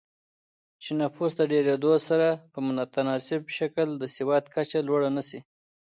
چې نفوس د ډېرېدو سره په متناسب شکل د سواد کچه لوړه نه شي